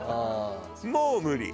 もう無理。